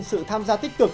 sự tham gia tích cực